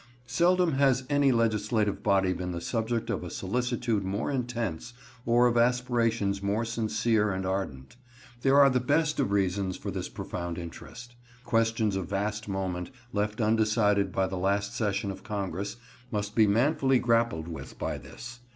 Seldom has any legislative body been the subject of a solicitude more intense, or of aspirations more sincere and ardent. There are the best of reasons for this profound interest. Questions of vast moment, left undecided by the last session of Congress, must be manfully grappled with by this.